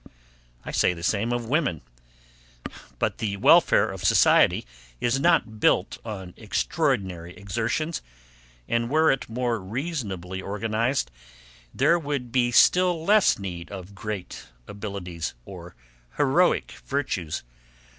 I say the same of women. But, the welfare of society is not built on extraordinary exertions; and were it more reasonably organized, there would be still less need of great abilities, or heroic virtues.